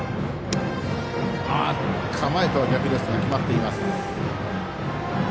構えとは逆ですが決まっています。